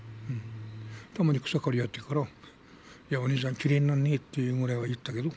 たまに草刈りやってるから、いやあ、お兄さん、きれいになるねぐらいは言ったけど。